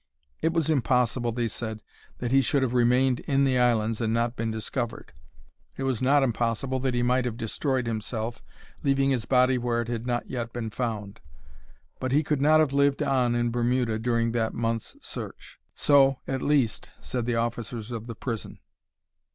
It was impossible, they said, that he should have remained in the islands and not been discovered. It was not impossible that he might have destroyed himself, leaving his body where it had not yet been found. But he could not have lived on in Bermuda during that month's search. So, at least, said the officers of the prison.